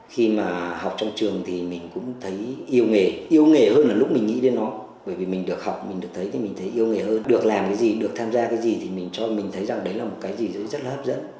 khi mà học trong trường thì mình cũng thấy yêu nghề yêu nghề hơn là lúc mình nghĩ đến nó bởi vì mình được học mình được thấy thì mình thấy yêu nghề hơn được làm cái gì được tham gia cái gì thì mình cho mình thấy rằng đấy là một cái gì rất là hấp dẫn